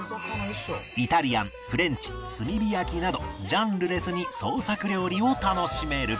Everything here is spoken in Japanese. イタリアンフレンチ炭火焼きなどジャンルレスに創作料理を楽しめる